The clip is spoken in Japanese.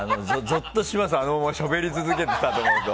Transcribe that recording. ぞっとします、あのまましゃべり続けてたと思うと。